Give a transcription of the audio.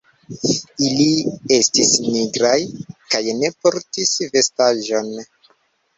Ili estis nigraj, kaj ne portis vestaĵon.